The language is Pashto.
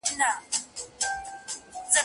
چي د خلکو یې لوټ کړي وه مالونه